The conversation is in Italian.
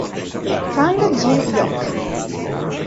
Kang Jin-hyok